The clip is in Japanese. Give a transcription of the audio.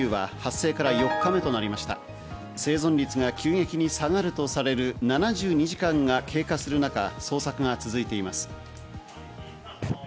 生存率が急激に下がるとされる７２時間が経過する中、捜索が続いています。